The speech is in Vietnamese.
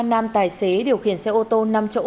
nam tài xế điều khiển xe ô tô năm chỗ